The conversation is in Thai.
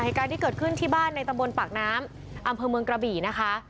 เหตุการณ์ที่เกิดขึ้นที่บ้านในตำบลปากน้ำอำเภอเมืองกระบี่นะคะ